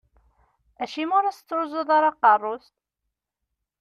Acimi ur as-tettruẓuḍ ara aqerru-s?